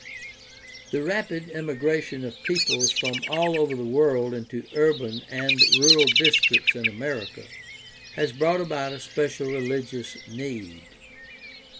— The rapid immigration of peoples from all over the world into urban and rural dis tricts in America has brought about a special religious need.